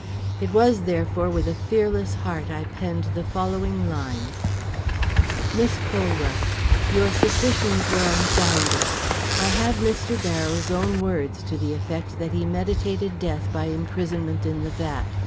It was therefore with a fearless heart I penned the following lines. MISS COLWELL: Your suspicions were unfounded. I have Mr. Barrows' own words to the effect that he meditated death by imprisonment in the vat.